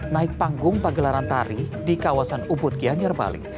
naik panggung pagelaran tari di kawasan ubud gianyar bali